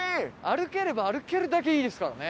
歩ければ歩けるだけいいですからね！